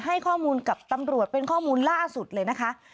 ให้ข้อมูลกับตำรวจเป็นข้อมูลล่าสุดเลยนะคะ